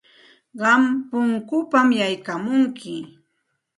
Qam punkunpam yaykamunki.